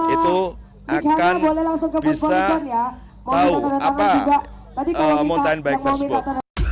itu akan bisa tahu apa mountain bike tersebut